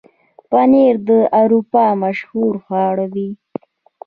پنېر د اروپا مشهوره خواړه ده.